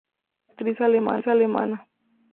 Actriz alemana.